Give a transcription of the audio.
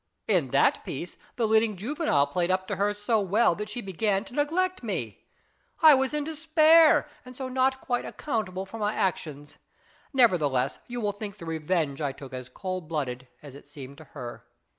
In that piece the leading juvenile played up to her so well that she began to neglect me. I was in despair, and so not quite accountable for my actions. Nevertheless, you will think the revenge I took as cold blooded as it seemed to her.